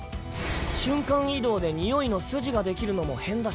瞬間移動で臭いの筋が出来るのも変だし。